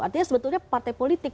artinya sebetulnya partai politik